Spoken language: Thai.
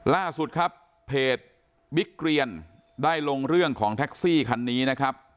ล่าสุดครับเพจบิ๊กเกรียนได้ลงเรื่องของแท็กซี่คันนี้นะครับ